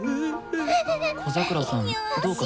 小桜さんどうかした？